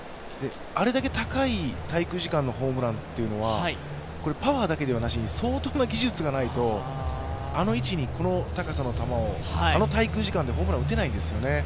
あれだけ高い滞空時間の長いホームランっていうのは、パワーだけじゃなくて相当な技術がないと、あの位置にこの高さの球をあの滞空時間でホームランを打てないですよね。